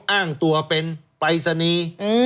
๒อ้างตัวเป็นไปสนี